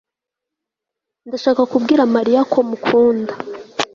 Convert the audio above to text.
Ndashaka kubwira Mariya ko mukunda